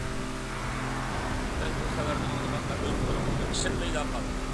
مەن بۇ خەۋەرنى ئاڭلىغاندا ئۆز قۇلىقىمغا ئىشەنمەيلا قالدىم.